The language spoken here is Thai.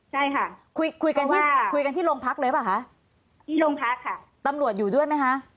ใช่ค่ะคุยคุยกันที่คุยกันที่โรงพักเลยป่ะคะที่โรงพักค่ะตำรวจอยู่ด้วยไหมคะ